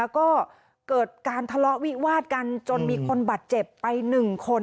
ก็เกิดการทะเลาะวิวาดกันจนมีคนบาดเจ็บไป๑คน